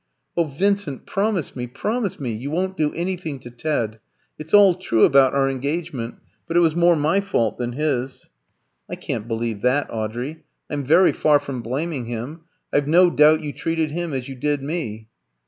"Oh, Vincent, promise me, promise me, you won't do anything to Ted! It's all true about our engagement, but it was more my fault than his." "I can't believe that, Audrey. I'm very far from blaming him. I've no doubt you treated him as you did me."